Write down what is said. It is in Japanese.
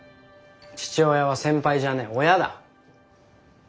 父親は先輩じゃねえ親だ。